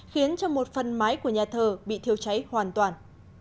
khiến cho một phần mái của nhà thờ bị thiêu cháy hoàn toàn